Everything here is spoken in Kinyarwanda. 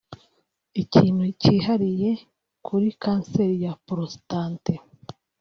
Ikintu kihariye kuri kanseri ya porositate